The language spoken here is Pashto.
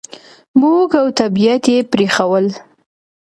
موږ او طبعیت یې پرېښوول.